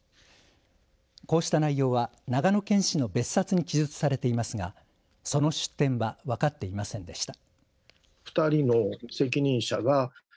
こうした内容は長野県史の別冊に記述されていますがその出典は分かっていませんでした。